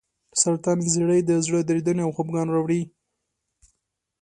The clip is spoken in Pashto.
سرطان زیړی د زړه درېدنې او خپګان راوړي.